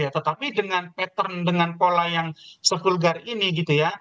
tetapi dengan pattern dengan pola yang se vulgar ini gitu ya